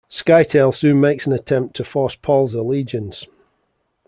Scytale soon makes an attempt to force Paul's allegiance.